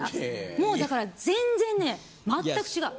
もうだから全然ね全く違う。